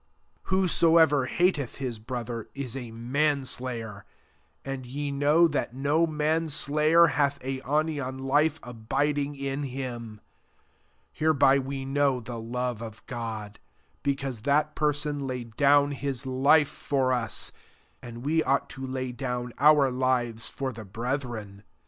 S85 15 Whosoever hateth his brother is a manslayer : and ye know that no manslayer hath aionian life abiding in him* 16 Hereby we know the love of Gody because that fierton laid iown his life for us: and we 3Ught to lay down our lives for the brethren.